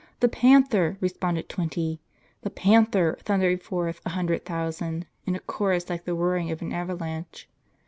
"The panther!" resjjonded twenty. "The panther!" thundered forth a hun dred thousand, in a chorus like the roaring of an avalanche.